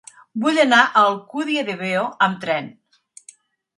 Vull anar a l'Alcúdia de Veo amb tren.